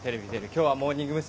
今日はモーニング娘。